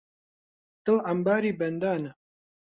دڵ عەمباری بەندانە